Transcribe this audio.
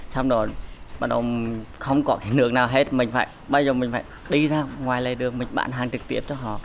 xong rồi bắt đầu không có cái nước nào hết bây giờ mình phải đi ra ngoài lề đường mình bán hàng trực tiếp cho họ